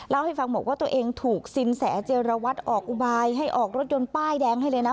เล่าให้ฟังบอกว่าตัวเองถูกสินแสเจรวัตรออกอุบายให้ออกรถยนต์ป้ายแดงให้เลยนะ